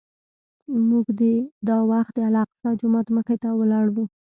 موږ دا وخت د الاقصی جومات مخې ته ولاړ وو.